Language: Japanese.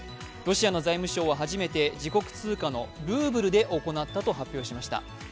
ロシアの財務省は初めて、自国通貨のルーブルで行ったと発表しました。